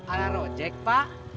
alah rojek pak